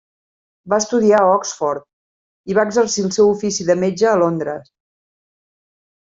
Va estudiar a Oxford i va exercir el seu ofici de metge a Londres.